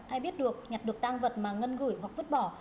ai biết được nhặt được tăng vật mà ngân gửi hoặc vứt bỏ